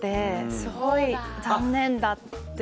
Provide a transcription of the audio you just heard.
すごい残念だっていう。